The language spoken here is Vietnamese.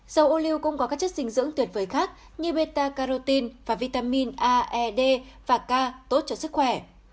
dầu ô liu cũng có các chất dinh dưỡng tuyệt vời khác như beta carotene và vitamin a e d và k tốt cho sức khỏe